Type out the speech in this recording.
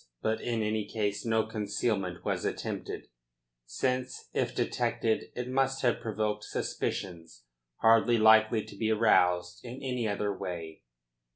But in any case no concealment was attempted since, if detected it must have provoked suspicions hardly likely to be aroused in any other way.